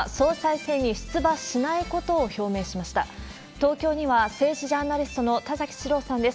東京には政治ジャーナリストの田崎史郎さんです。